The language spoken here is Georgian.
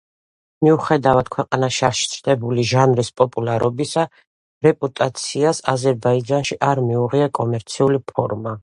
მიუხედავად ქვეყანაში არსებული ჟანრის პოპულარობისა, რეპუტაციას აზერბაიჯანში არ მიუღია კომერციული ფორმა.